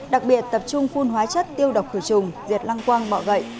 đặc biệt tập trung phun hóa chất tiêu độc khử trùng diệt lăng quang bọ gậy